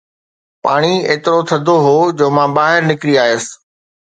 پاڻي ايترو ٿڌو هو جو مان ٻاهر نڪري آيس